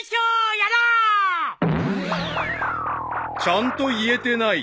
［ちゃんと言えてない］